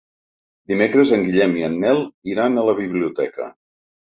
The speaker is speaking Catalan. Dimecres en Guillem i en Nel iran a la biblioteca.